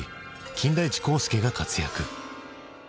金田一耕助が活躍。